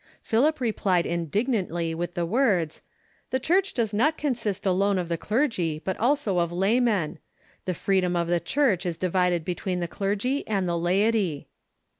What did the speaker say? Philip replied indignantly with the words :" The Church does not consist alone of the clergy, but also of lay men ; the freedom of the Church is divided between the clergy and the laity."